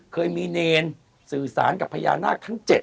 เคยมีเนรสื่อสารกับพญานาคทั้ง๗